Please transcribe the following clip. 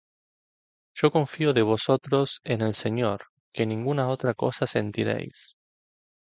Yo confío de vosotros en el Señor, que ninguna otra cosa sentiréis: